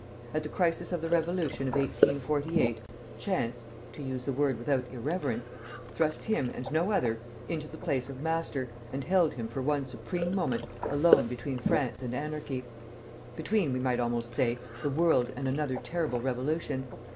At the crisis of the Revolution of 1848, chance (to use the word without irreverence) thrust him, and no other, into the place of master, and held him for one supreme moment alone between France and anarchy, between, we might almost say, the world and another terrible revolution.